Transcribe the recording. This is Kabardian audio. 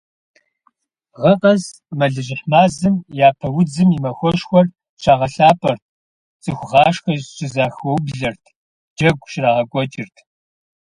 Гъэ къэс, мэлыжьыхь мазэм Япэ удзым и махуэшхуэр щагъэлъапӀэрт, цӀыхугъашхэ щызэхаублэрт, джэгу щрагъэкӀуэкӀырт.